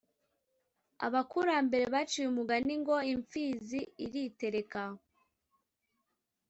Abakurambere baciye umugani ngo « imfizi iritereka »